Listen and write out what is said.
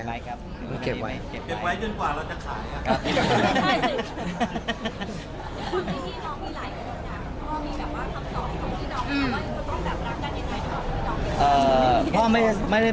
เรียกไว้จนกว่าเราจะขาย